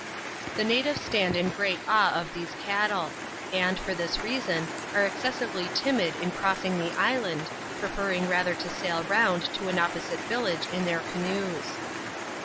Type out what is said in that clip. The natives stand in great awe of these cattle ; and, for this reason, are excessively timid in crossing the island, preferring rather to sail round to an opposite village in their canoes.